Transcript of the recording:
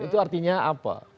itu artinya apa